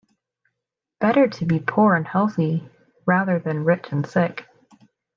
Better to be poor and healthy rather than rich and sick.